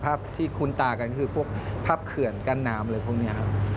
ภาพที่คุ้นตากันคือพวกภาพเขื่อนกั้นน้ำอะไรพวกนี้ครับ